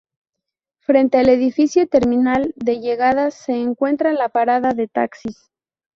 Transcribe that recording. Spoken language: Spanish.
Frente al edificio terminal de Llegadas se encuentra la parada de taxis.